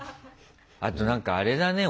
あとなんかあれだね